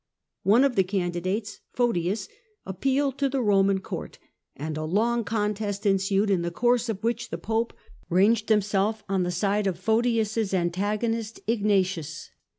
One of the candidates, Photius, appealed to the Roman Court, and along contest ensued, in the course of which the Pope ranged himself on the side of Photius' an tagonist, Ignatius.